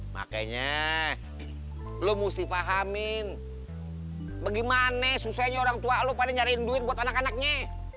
makanya lo mesti pahamin bagaimana susahnya orang tua lo pada nyariin duit buat anak anaknya